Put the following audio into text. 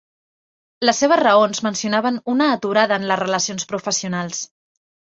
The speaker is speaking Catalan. Les seves raons mencionaven "una aturada en les relacions professionals".